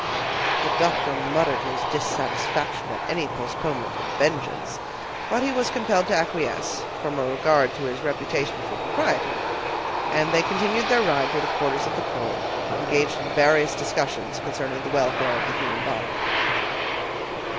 The doctor muttered his dissatisfaction at any postponement of vengeance, but he was compelled to acquiesce, from a regard to his reputation for propriety; and they continued their ride to the quarters of the corps, engaged in various discussions concerning the welfare of the human body.